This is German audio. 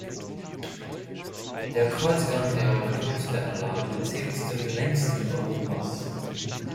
Der Kreuzgang der Klosteranlage zählt zu den längsten Europas.